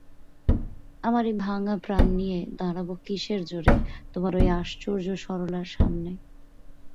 আমার এই ভাঙা প্রাণ নিয়ে দাঁড়াব কিসের জোরে তোমার ঐ আশ্চর্য সরলার সামনে।